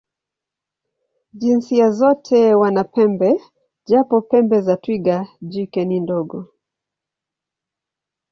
Jinsia zote wana pembe, japo pembe za twiga jike ni ndogo.